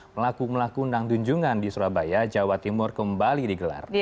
pelaku pelaku undang tunjungan di surabaya jawa timur kembali digelar